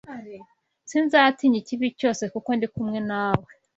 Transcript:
Sinzatinya ikibi cyose, kuko ndi kumwe na we